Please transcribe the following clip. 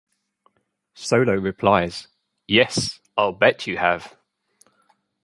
Solo replies, Yes, I'll bet you have.